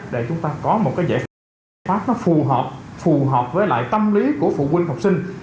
để chúng ta có một cái giải pháp giải pháp nó phù hợp phù hợp với lại tâm lý của phụ huynh học sinh